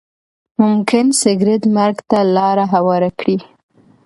ممکن سګریټ مرګ ته لاره هواره کړي.